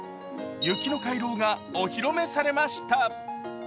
雪の回廊がお披露目されました。